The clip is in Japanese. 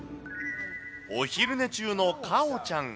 お昼寝中のかおちゃん。